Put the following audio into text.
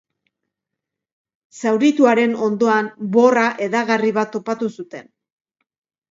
Zaurituaren ondoan, borra hedagarri bat topatu zuten.